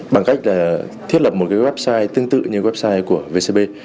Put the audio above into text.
bằng cách là thiết lập một cái website tương tự như website của vcb